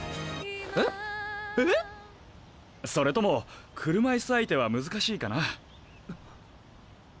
えっ？え⁉それとも車いす相手は難しいかな？